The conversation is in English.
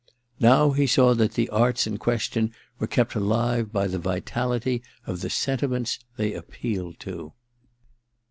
Now he saw that the arts in question were kept alive by the vitality of the sentiments they appealed to.